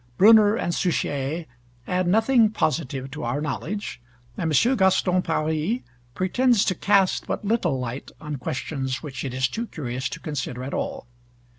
Brunner and Suchier add nothing positive to our knowledge, and M. Gaston Paris pretends to cast but little light on questions which it is too curious to consider at all.